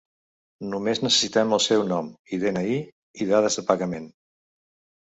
Només necessitem el seu nom i de-ena-i i dades de pagament.